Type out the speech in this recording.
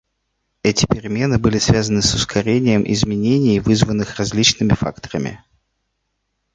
Эти перемены были связаны с ускорением изменений, вызванных различными факторами.